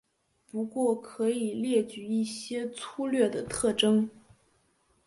不过可以列举一些粗略的特征。